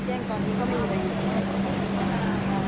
แจ้งตอนนี้ก็ไม่มีอะไรอยู่แล้ว